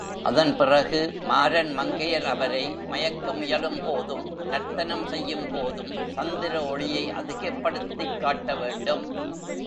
அதன் பிறகு மாரன் மங்கையர் அவரை மயக்க முயலும்போதும் நர்த்தனம் செய்யும் போதும் சந்திர ஒளியை அதிகப்படுத்திக் காட்டவேண்டும்.